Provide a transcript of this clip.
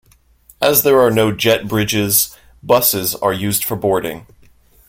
As there are no jet bridges, buses are used for boarding.